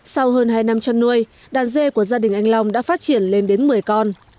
sau hơn hai năm chăn nuôi đàn dê của gia đình anh long đã phát triển lên đến một mươi con